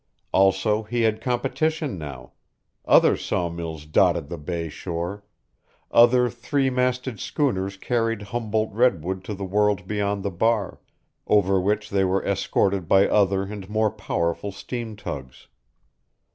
Also he had competition now: other sawmills dotted the bay shore; other three masted schooners carried Humboldt redwood to the world beyond the bar, over which they were escorted by other and more powerful steam tugs.